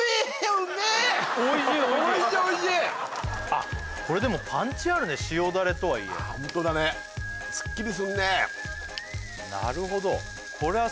あっこれでもパンチあるね塩ダレとはいえああホントだねスッキリすんねぇなるほどこりゃ